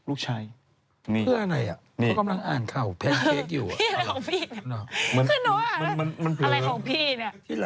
ลูกชายนี่เพื่ออะไรอ่ะเค้ากำลังอ่านข่าวอยู่อ่ะพี่อะไรของพี่เนี้ย